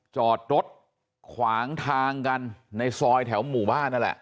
จอดรถขวางทางกันในซอยแถวหมู่บ้านนั่นแหละ